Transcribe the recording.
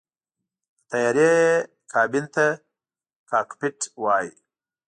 د طیارې کابین ته “کاکپټ” وایي.